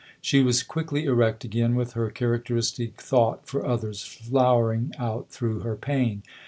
She was quickly erect again, with her characteristic thought for others flowering out through her pain.